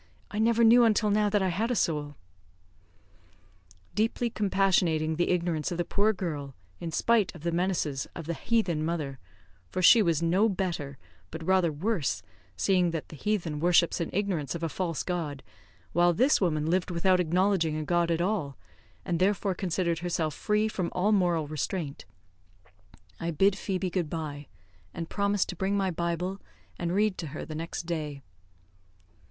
I never knew until now that I had a soul." Deeply compassionating the ignorance of the poor girl, in spite of the menaces of the heathen mother for she was no better, but rather worse, seeing that the heathen worships in ignorance a false God, while this woman lived without acknowledging a God at all, and therefore considered herself free from all moral restraint I bid Phoebe good bye, and promised to bring my bible, and read to her the next day.